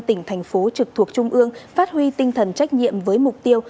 tỉnh thành phố trực thuộc trung ương phát huy tinh thần trách nhiệm với mục tiêu